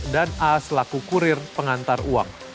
dan a selaku kurir pengantar uang